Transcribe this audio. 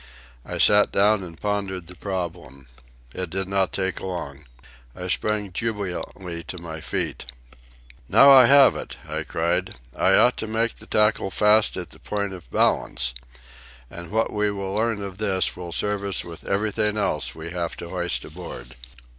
I sat down and pondered the problem. It did not take long. I sprang jubilantly to my feet. "Now I have it!" I cried. "I ought to make the tackle fast at the point of balance. And what we learn of this will serve us with everything else we have to hoist aboard."